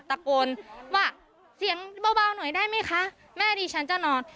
ตะโกนว่าเสียงเบาหน่อยได้ไหมคะแม่ดีฉันจะนอน